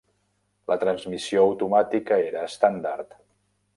La transmissió automàtica era estàndard.